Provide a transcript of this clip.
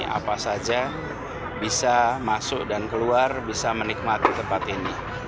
apa saja bisa masuk dan keluar bisa menikmati tempat ini